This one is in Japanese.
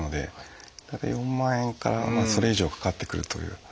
大体４万円からそれ以上かかってくるという。